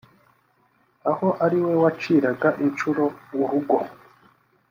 aho ari we waciraga inshuro urugo